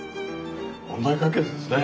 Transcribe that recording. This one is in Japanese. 問題解決ですね。